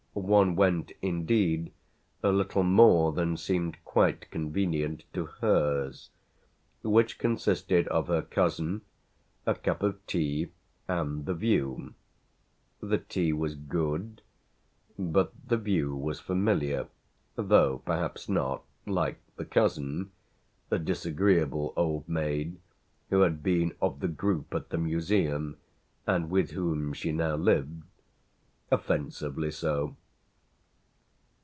One went indeed a little more than seemed quite convenient to hers, which consisted of her cousin, a cup of tea and the view. The tea was good; but the view was familiar, though perhaps not, like the cousin a disagreeable old maid who had been of the group at the museum and with whom she now lived offensively so.